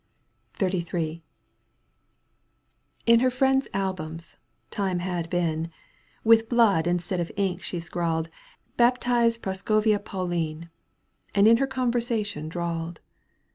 XXXIIL In her friends' albums, time had been, With blood instead of ink she scrawled. Baptized Prascovia Pauline, And in her conversation drawled.